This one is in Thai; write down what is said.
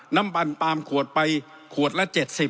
น้ำมันปาล์มขวดไปขวดละ๗๐